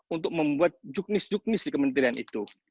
untuk membuat juknis juknis di kementerian itu